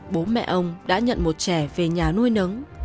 bố mẹ ông đã nhận một trẻ về nhà nuôi nấng